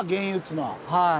はい。